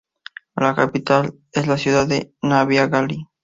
La capital es la ciudad de Nəbiağalı.